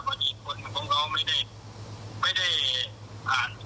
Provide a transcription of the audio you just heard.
เพราะที่คนของเขามีตำแหน่งดี